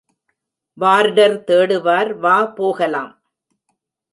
Warder தேடுவார், வா போகலாம்.